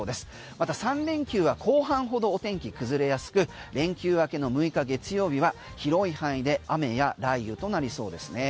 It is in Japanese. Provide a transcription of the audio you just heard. また３連休は後半ほどお天気崩れやすく連休明けの６日月曜日は広い範囲で雨や雷雨となりそうですね。